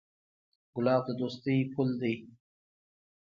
ګلاب د دوستۍ پُل دی.